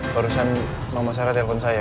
barusan mama sarah telfon saya